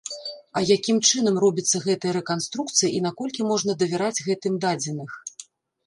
А якім чынам робіцца гэтая рэканструкцыя і наколькі можна давяраць гэтым дадзеных?